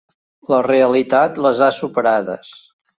La realitat les ha superades.